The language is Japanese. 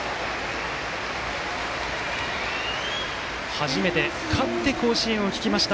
初めて勝って校歌を聴きました